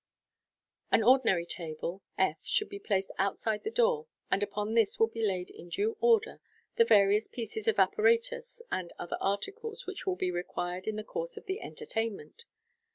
An ordinary table, f, should be placed outside the door, and upon this will be laid in due rrder the various pieces of apparatus and other articles which will be required in the course of the entertain nunt.